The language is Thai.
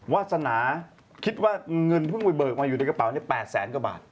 วาสนาคิดว่าเงินเพิ่งไปเบิกมาอยู่ในกระเป๋า๘แสนกว่าบาท